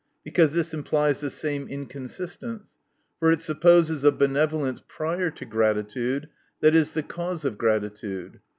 Because this implies the same inconsis tence. For it supposes a benevolence prior to gratitude, that is the cause of gratitude.